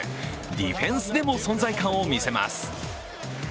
ディフェンスでも存在感を見せます。